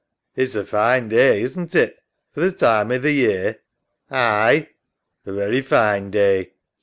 It's a fine day, isn't it? For th' time o' th' year? EMMA. Aye. SAM. A very fine day.